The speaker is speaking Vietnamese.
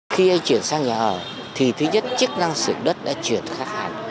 khi chuyển sang nhà ở thì thứ nhất chức năng sử dụng đất đã chuyển khác hẳn